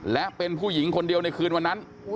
และเป็นผู้หญิงคนเดียวในคืนวันนั้น